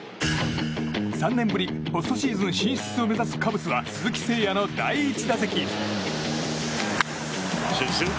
３年ぶりポストシーズン進出を目指すカブスは鈴木誠也の第１打席。